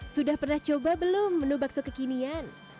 sudah pernah coba belum menu bakso kekinian